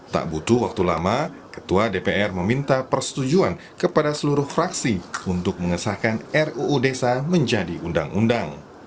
tak butuh waktu lama ketua dpr meminta persetujuan kepada seluruh fraksi untuk mengesahkan ruu desa menjadi undang undang